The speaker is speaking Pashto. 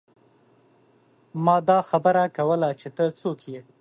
ما دا خبره کوله چې ته څوک يې ۔